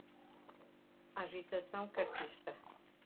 Agitação Cartista